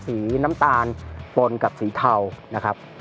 สีน้ำตาลปนกับสีเทานะครับ